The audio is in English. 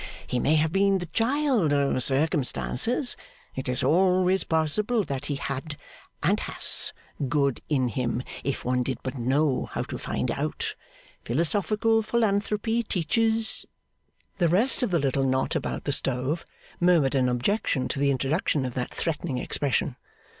He may have been the child of circumstances. It is always possible that he had, and has, good in him if one did but know how to find it out. Philosophical philanthropy teaches ' The rest of the little knot about the stove murmured an objection to the introduction of that threatening expression.